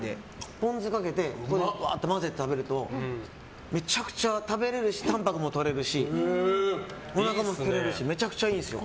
ポン酢をかけて混ぜて食べるとめちゃくちゃ食べられるしタンパクもとれるしおなかも膨れるしめちゃくちゃいいですよ。